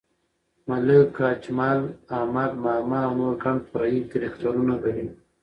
ملک اجمل، احمد ماما او نور ګڼ فرعي کرکټرونه لري.